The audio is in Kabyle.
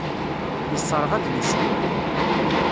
Yesserɣ adlis-nni.